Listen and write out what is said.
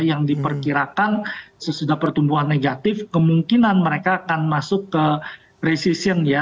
yang diperkirakan sesudah pertumbuhan negatif kemungkinan mereka akan masuk ke recision ya